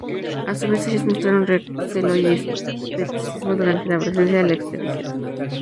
A su vez ellos mostraron recelo y escepticismo durante la presencia de la expedición.